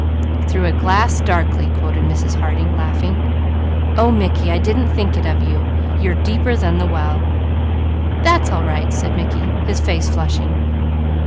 "'Through a glass darkly,'" quoted Mrs. Harding laughing. "Oh Mickey, I didn't think it of you. You're deeper than the well." "That's all right," said Mickey, his face flushing.